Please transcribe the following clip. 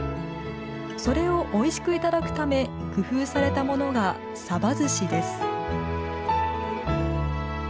それをおいしくいただくため工夫されたものがさばずしです。